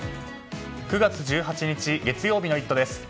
９月１８日、月曜日の「イット！」です。